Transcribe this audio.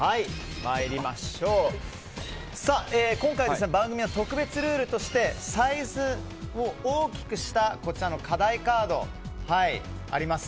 今回は番組の特別ルールとしてサイズを大きくした課題カードがあります。